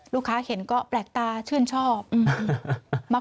ลูกค้าเห็นก็แปลกตาชื่นชอบมาขอถ่ายรูปกันใหญ่เลยค่ะ